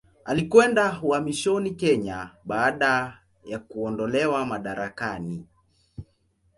Alikwenda uhamishoni Kenya baada ya kuondolewa madarakani.